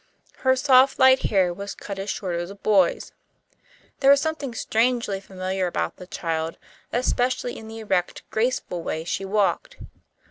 Her soft, light hair was cut as short as a boy's. There was something strangely familiar about the child, especially in the erect, graceful way she walked.